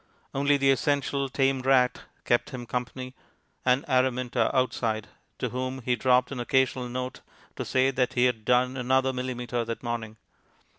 Only the essential tame rat kept him company, and Araminta outside, to whom he dropped an occasional note to say that he had done another millimetre that morning.